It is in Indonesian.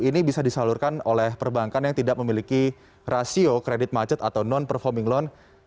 ini bisa disalurkan oleh perbankan yang tidak memiliki rasio kredit macet atau non performing loan